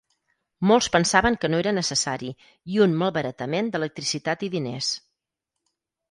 Molts pensaven que no era necessari i un malbaratament d'electricitat i diners.